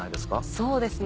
そうですね